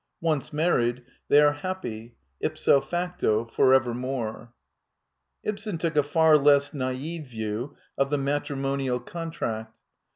Once mar ried, they are happy, ipso facto, forevermore. Ibsen took a far less naive view of the matri monial contract.